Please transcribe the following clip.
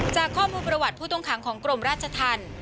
จากข้อมูลประวัติผู้ต้องขังของกรมราชธรรม